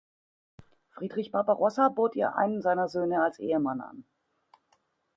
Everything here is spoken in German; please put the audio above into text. Friedrich Barbarossa bot ihr einen seiner Söhne als Ehemann an.